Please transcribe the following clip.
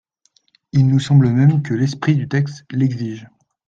Il nous semble même que l’esprit du texte l’exige.